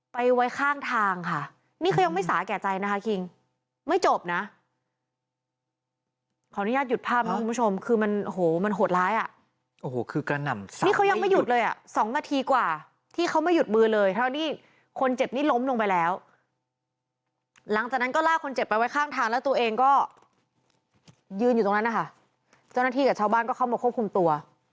ไว้ข้างทางค่ะนี่คือยังไม่สาแก่ใจนะคะคิงไม่จบนะขออนุญาตหยุดภาพนะคุณผู้ชมคือมันโหมันโหดร้ายอ่ะโอ้โหคือกระหน่ำซะนี่เขายังไม่หยุดเลยอ่ะสองนาทีกว่าที่เขาไม่หยุดมือเลยทั้งที่คนเจ็บนี้ล้มลงไปแล้วหลังจากนั้นก็ลากคนเจ็บไปไว้ข้างทางแล้วตัวเองก็ยืนอยู่ตรงนั้นนะคะเจ้าหน้าที่กับชาวบ้านก็เข้ามาควบคุมตัว